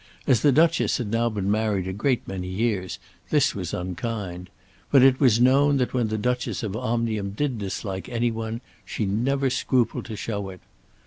As the Duchess had now been married a great many years this was unkind; but it was known that when the Duchess of Omnium did dislike any one, she never scrupled to show it.